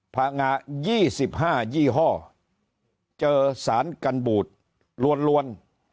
พังงา๒๕ยี่ห้อเจอสารกันบูดล้วน